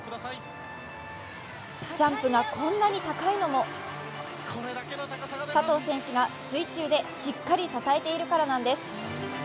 ジャンプがこんなに高いのも、佐藤選手が水中でしっかり支えているからなんです。